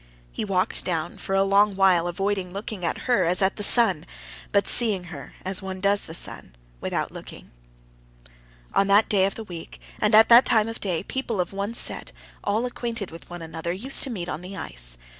He walked down, for a long while avoiding looking at her as at the sun, but seeing her, as one does the sun, without looking. On that day of the week and at that time of day people of one set, all acquainted with one another, used to meet on the ice.